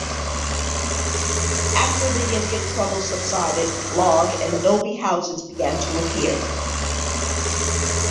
After the Indian troubles subsided, log and adobe houses began to appear.